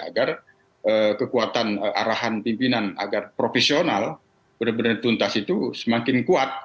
agar kekuatan arahan pimpinan agar profesional benar benar tuntas itu semakin kuat